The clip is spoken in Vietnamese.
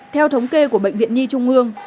theo thống kê của bệnh viện nhi trung ương